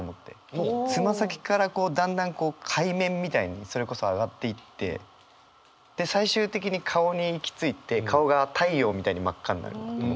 もうつま先からだんだん海面みたいにそれこそ上がっていってで最終的に顔に行き着いて顔が太陽みたいに真っ赤になる。